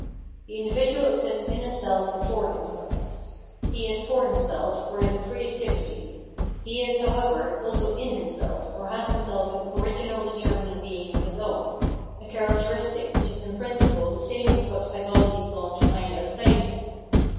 The individual exists in himself and for himself. He is for himself, or is a free activity ; he is, however, also in hunself, or has himself an original determinate being of his own — a characteristic which is in principle the same as what psychology sought to find outside him.